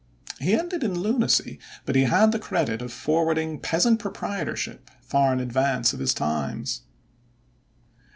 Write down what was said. He ended in lunacy, but he had the credit of forwarding peasant proprietorship far in advance of his times.